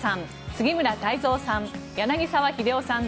杉村太蔵さん